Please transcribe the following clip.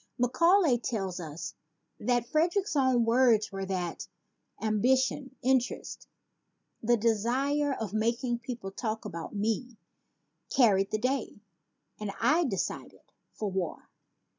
Macaulay tells us that Frederick's own words were that "ambition, interest, the desire of making people talk about me carried the day ; and I decided for war."